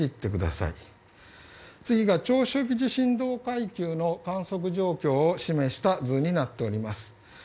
次が長周期振動階級の観測状況を示した図になっております。